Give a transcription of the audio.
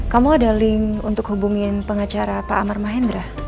kamu ada link untuk hubungin pengacara pak amar mahendra